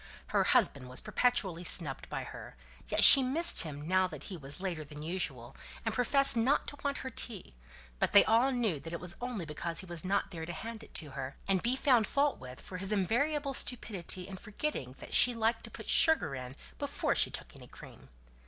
Her husband was perpetually snubbed by her, yet she missed him now that he was later than usual, and professed not to want her tea; but they all knew that it was only because he was not there to hand it to her, and be found fault with for his invariable stupidity in forgetting that she liked to put sugar in before she took any cream.